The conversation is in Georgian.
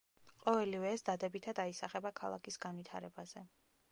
ყოველივე ეს დადებითად აისახება ქალაქის განვითარებაზე.